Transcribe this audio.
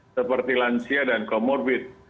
seperti lansia dan comorbid